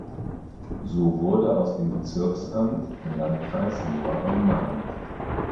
So wurde aus dem Bezirksamt der Landkreis Lohr am Main.